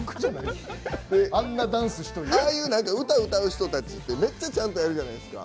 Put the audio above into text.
ああいう歌を歌う人たちって、めっちゃちゃんとやるじゃないですか